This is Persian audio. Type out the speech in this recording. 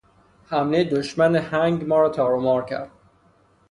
حملهی دشمن هنگ ما را تار و مار کرد.